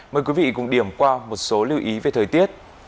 mời quý vị cùng điểm qua một số lưu ý về thời tiết